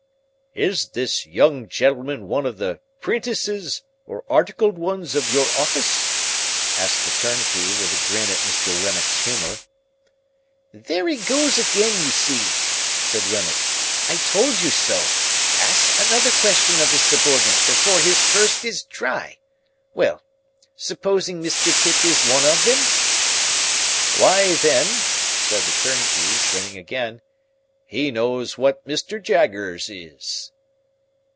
"Is this young gentleman one of the 'prentices or articled ones of your office?" asked the turnkey, with a grin at Mr. Wemmick's humour. "There he goes again, you see!" cried Wemmick, "I told you so! Asks another question of the subordinate before his first is dry! Well, supposing Mr. Pip is one of them?" "Why then," said the turnkey, grinning again, "he knows what Mr. Jaggers is."